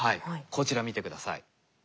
こちら見て下さい。